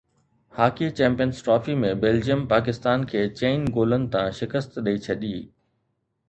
hockey champions trophy ۾ Belgium Pakistan کي چئن گولن تان شڪست ڏئي ڇڏي